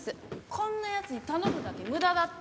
こんなヤツに頼むだけ無駄だって。